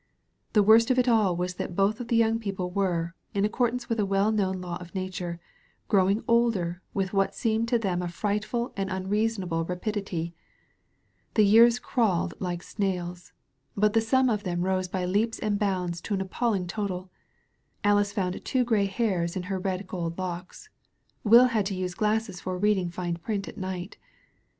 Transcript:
The worst of it all was that both of the young people were, in accordance with a well known law of nature, grow ing older with what seemed to them a frightful and 242 SALVAGE POINT tinreasonable rapidity. The years crawled like snails. But the sum of them rose by leaps and bounds to an appalling total. Alice found two grey hairs in her red gold locks. Will had to use glasses for reading fine print at night.